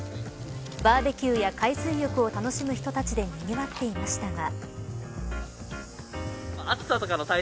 バーベキューや海水浴を楽しむ人たちでにぎわっていましたが。